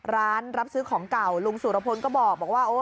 ร้านรับซื้อของเก่าลุงสุรพลก็บอกว่า